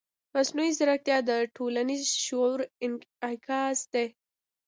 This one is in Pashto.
مصنوعي ځیرکتیا د ټولنیز شعور انعکاس دی.